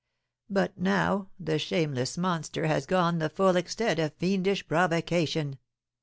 But now the shameless monster has gone the full extent of fiendish provocation.